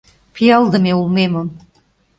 Пиалдыме улмемым